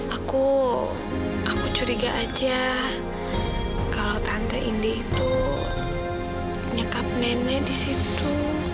aku aku curiga aja kalau tante indi itu nyekap nenek di situ